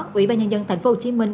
quỹ ba nhân dân thành phố hồ chí minh